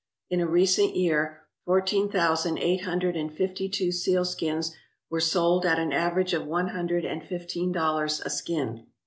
In a recent year, fourteen thousand, eight hun dred and fifty two seal skins were sold at an average of one hundred and fifteen dollars a skin.